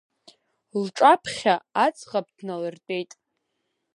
Лҿаԥхьа аӡӷаб дналыртәеит.